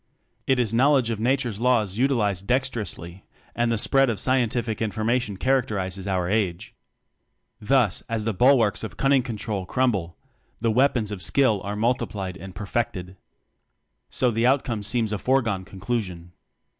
It is knowledge of Na ture's Laws utilized dexterously and the spread of scientific information characterizes our age. Thus as the bulwarks of cunning control crumble, \JL the weapons of skill are multiplied and perfected. So the outcome seems a foregone conclusion.